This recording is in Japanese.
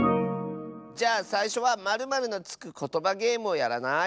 じゃあさいしょは○○のつくことばゲームをやらない？